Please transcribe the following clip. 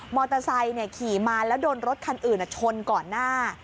ไซค์ขี่มาแล้วโดนรถคันอื่นชนก่อนหน้า